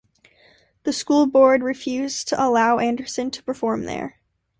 The school board refused to allow Anderson to perform there.